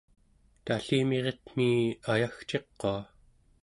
tallimiritmi ayagciqua